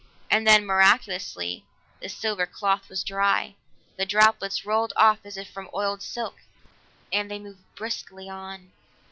And then, miraculously, the silver cloth was dry, the droplets rolled off as if from oiled silk, and they moved briskly on.